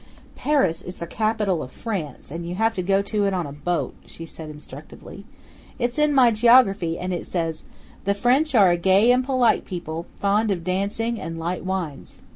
"Paris is the capital of France, and you have to go to it on a boat," she said instructively. "It's in my geography, and it says: 'The French are a gay and polite people, fond of dancing and light wines.'